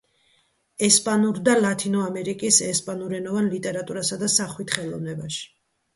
ესპანურ და ლათინო ამერიკის ესპანურენოვან ლიტერატურასა და სახვით ხელოვნებაში.